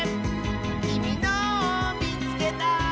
「きみのをみつけた！」